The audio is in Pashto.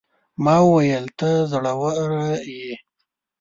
ما وويل: ته زړوره يې.